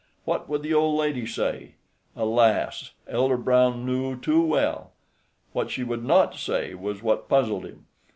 What would the old lady say? Alas! Elder Brown knew too well. What she would not say was what puzzled him.